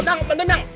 dang bantuin dang